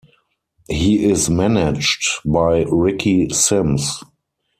He is managed by Ricky Simms.